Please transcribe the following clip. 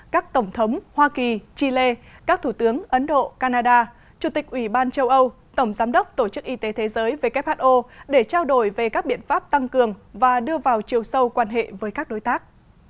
các tổng thống hoa kỳ chile các thủ tướng ấn độ canada chủ tịch ủy ban châu âu tổng giám đốc tổ chức y tế thế giới who để trao đổi về các biện pháp tăng cường và đưa vào chiều sâu quan hệ với các đối tác